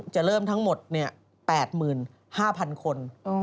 จะเริ่มทั้งหมด๘๕๐๐๐คน